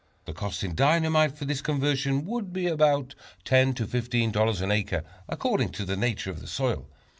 The cost in dynamite for this conversion would be about $10 to $15 an acre according to the nature of the soil.